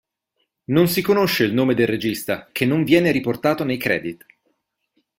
Non si conosce il nome del regista che non viene riportato nei credit.